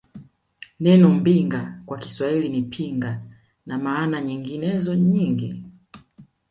Neno Mbinga kwa Kiswahili ni Pinga na maana nyinginezo nyingi